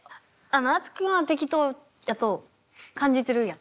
あつきは適当やと感じてるんや。